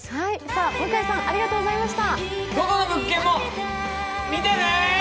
向井さんありがとうございました。